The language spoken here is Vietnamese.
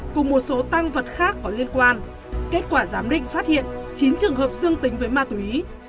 cùng một số tăng vật khác có liên quan kết quả giám định phát hiện chín trường hợp dương tính với ma túy